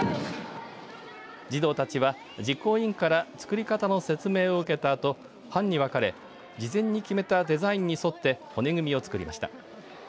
児童たちは実行委員から作り方の説明を受けたあと班に分かれ事前に決めたデザインに沿って骨組みを作りました。